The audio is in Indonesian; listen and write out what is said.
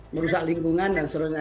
merusak lingkungan dan sebagainya